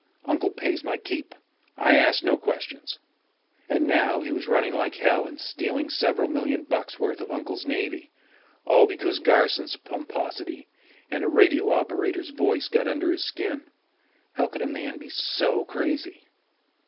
Uncle pays my keep. I ask no questions." And now he was running like hell and stealing several million bucks worth of Uncle's Navy, all because Garson's pomposity and a radio operator's voice got under his skin. How could a man be so crazy?